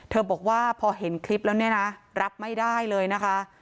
บอกว่าพอเห็นคลิปแล้วเนี่ยนะรับไม่ได้เลยนะคะ